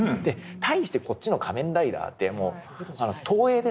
対してこっちの「仮面ライダー」ってもう東映ですからね